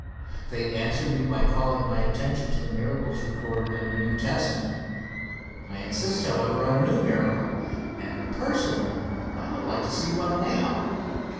They answer me by calling my attention to the miracles recorded in the New Testament. I insist, however, on a new miracle, and, personally, I would like to see one now.